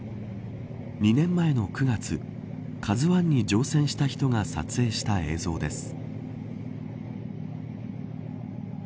２年前の９月ＫＡＺＵ１に乗船した人が撮影した映像です。